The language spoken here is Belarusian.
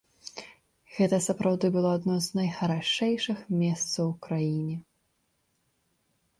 Гэта сапраўды было адно з найхарашэйшых месцаў у краіне.